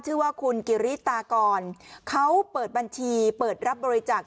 ชื่อว่าคุณกิริตากรเขาเปิดบัญชีเปิดรับบริจาค